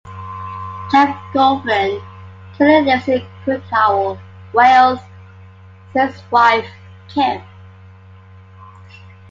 Jeff Gulvin currently lives in Crickhowell, Wales, with his wife Kim.